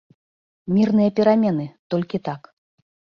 Мірныя перамены, толькі так.